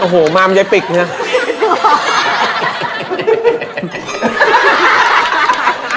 โอ้โหมามันยายปิกเนี่ย